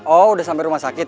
oh udah sampai rumah sakit